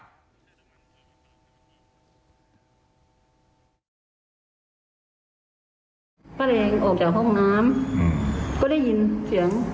ป้าแดงออกจากห้องน้ำก็ได้ยินเสียง